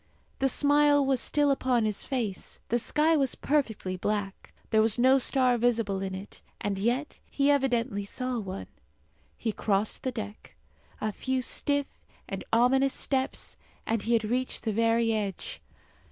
The smile was still upon his face. The sky was perfectly black; there was no star visible in it, and yet he evidently saw one. He crossed the deck. A few stiff and ominous steps, and he had reached the very edge.